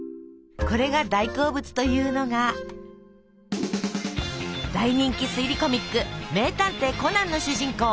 これが大好物というのが大人気推理コミック「名探偵コナン」の主人公